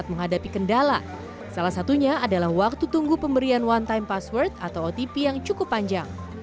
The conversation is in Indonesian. menghadapi kendala salah satunya adalah waktu tunggu pemberian one time password atau otp yang cukup panjang